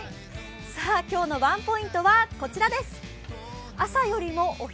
今日のワンポイントは、こちらです。